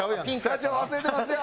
社長忘れてますよ！